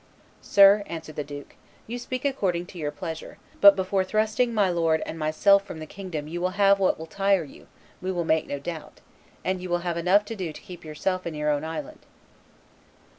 "Sir," answered the duke, "you speak according to your pleasure; but before thrusting my lord and myself from the kingdom you will have what will tire you, we make no doubt, and you will have enough to do to keep yourself in your own island."